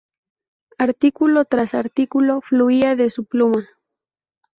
Artículo tras artículo fluía de su pluma.